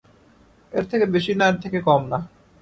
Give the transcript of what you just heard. এর থেকে বেশি না, এর থেকে কম না।